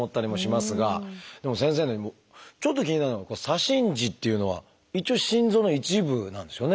でも先生ちょっと気になるのが左心耳っていうのは一応心臓の一部なんですよね？